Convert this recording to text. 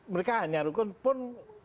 mereka hanya rekun pun